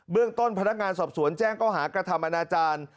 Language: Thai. เบื้องต้นพนักงานสอบสวนแจ้งเข้าหากธรรมนาจารย์